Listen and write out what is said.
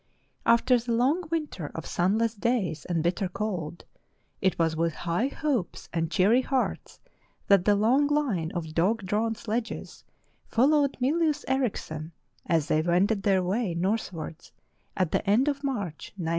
After the long winter of sunless days and bitter cold, it was with high hopes and cheery hearts that the long line of dog drawn sledges followed Mylius Erichsen as they wended their way northward at the end of March, 1907.